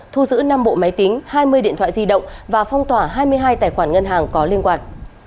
thu giữ năm bộ máy tính hai mươi điện thoại di động và phong tỏa hai mươi hai tài khoản ngân hàng có liên quan